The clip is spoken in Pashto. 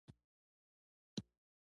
تاسو ویلای شئ چې رښتيا ويل څه گټه لري؟